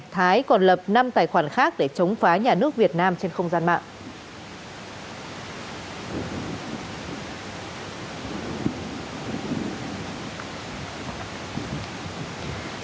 thái còn lập năm tài khoản khác để chống phá nhà nước việt nam trên không gian mạng